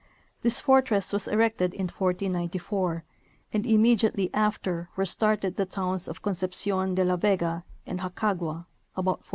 This fortress was erected in 1494, and immediately after were started the towns of Concepcion de la Vega and Jacagua, about 1495.